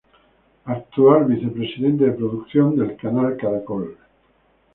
Actual vicepresidente de producción del Canal Caracol.